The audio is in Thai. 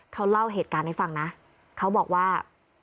เขาเล่าเหตุการณ์ให้ฟังนะเขาบอกว่า